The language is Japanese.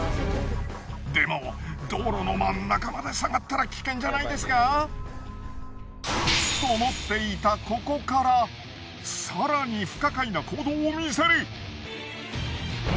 でも道路の真ん中まで下がったら危険じゃないですか？と思っていたここから更に。